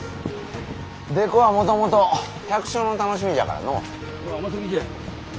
木偶はもともと百姓の楽しみじゃからのう。